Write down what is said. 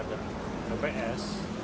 kita akan mencari pengamanannya